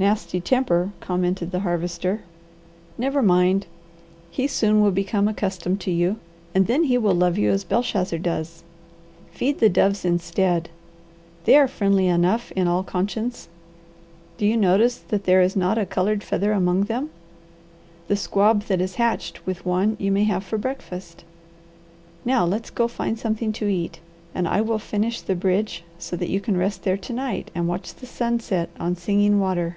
"Nasty temper!" commented the Harvester. "Never mind! He soon will become accustomed to you, and then he will love you as Belshazzar does. Feed the doves instead. They are friendly enough in all conscience. Do you notice that there is not a coloured feather among them? The squab that is hatched with one you may have for breakfast. Now let's go find something to eat, and I will finish the bridge so you can rest there to night and watch the sun set on Singing Water."